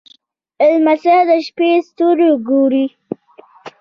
لمسی د شپې ستوري ګوري.